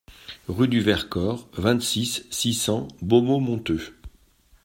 Route du Vercors, vingt-six, six cents Beaumont-Monteux